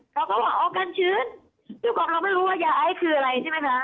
เขาก็ว่ากันชื้นด้วยกว่าเราไม่รู้ว่ายาไอคืออะไรใช่ไหมคะ